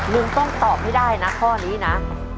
ลุงต้องตอบให้ได้นะข้อนี้นะ